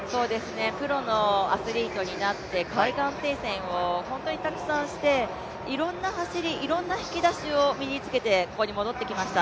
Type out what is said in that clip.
プロのアスリートになって、海外転戦を本当にたくさんして、いろんな走り、いろんな引き出しを身につけて、ここに戻ってきました。